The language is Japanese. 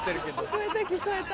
聞こえた聞こえた。